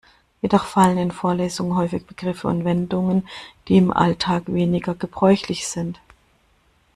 Jedoch fallen in Vorlesungen häufig Begriffe und Wendungen, die im Alltag weniger gebräuchlich sind.